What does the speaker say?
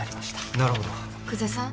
なるほど久世さん